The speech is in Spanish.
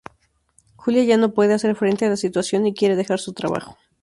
Julia ya no puede hacer frente a la situación y quiere dejar su trabajo.